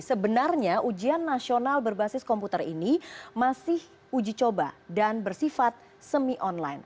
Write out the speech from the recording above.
sebenarnya ujian nasional berbasis komputer ini masih uji coba dan bersifat semi online